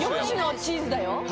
４種のチーズだよ？